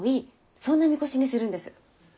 そんなみこしにするんです。